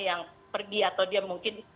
yang pergi atau dia mungkin